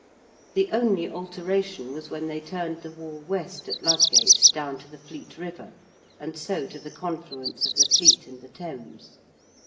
The only alteration was when they turned the Wall west at Ludgate down to the Fleet River and so to the confluence of the Fleet and the Thames.